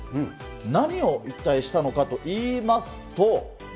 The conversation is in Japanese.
何を、一体したのかといいますと。